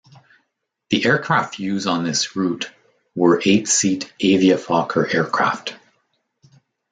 The aircraft used on this route were eight-seat Avia-Fokker aircraft.